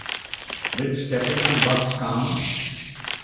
Did stepping on bugs count?